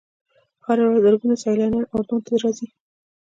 هره ورځ زرګونه سیلانیان اردن ته راځي.